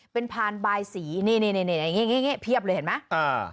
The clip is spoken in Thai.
เป็นพานบายสีนี่เพียบเลยเห็นมั้ยเอ่อ